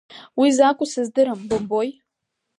Уи закәу сыздырам, бымбои.